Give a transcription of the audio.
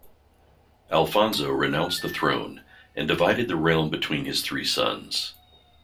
Alfonso renounced the throne and divided the realm between his three sons.